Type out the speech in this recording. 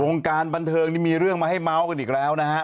วงการบันเทิงนี่มีเรื่องมาให้เมาส์กันอีกแล้วนะฮะ